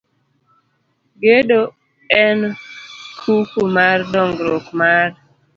Gedo en kuku mar dongruok mar